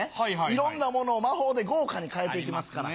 いろんなものを魔法で豪華に変えて行きますから。